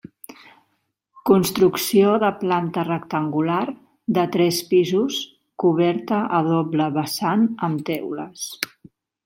Construcció de planta rectangular, de tres pisos, coberta a doble vessant amb teules.